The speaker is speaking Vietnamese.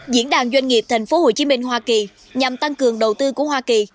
diễn đàn doanh nghiệp tp hcm hoa kỳ nhằm tăng cường đầu tư của hoa kỳ